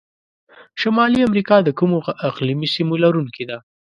شمالي امریکا د کومو اقلیمي سیمو لرونکي ده؟